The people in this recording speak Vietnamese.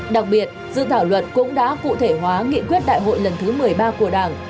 đặc biệt dự thảo luật cũng đã cụ thể hóa nghị quyết đại hội lần thứ một mươi ba của đảng